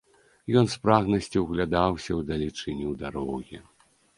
Ён з прагнасцю ўглядаўся ў далечыню дарогі.